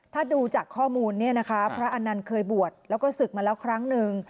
ถ้าดูจากข้อมูลเนี่ยนะคะพระอนันต์เคยบวชแล้วก็ศึกมาแล้วครั้งหนึ่ง